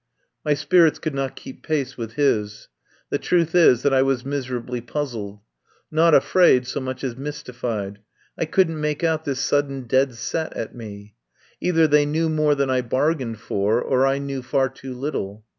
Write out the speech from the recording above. My spirits could not keep pace with his. The truth is that I was miserably puzzled — not afraid so much as mystified. I couldn't make out this sudden dead set at me. Either they knew more than I bargained for or I knew far too little.